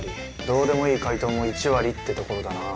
どうでもいい回答も１割ってところだな。